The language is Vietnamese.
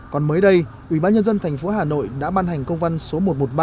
còn mới đây ủy ban nhân dân thành phố hà nội đã ban hành công văn số một trăm một mươi ba